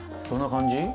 「どんな感じ」？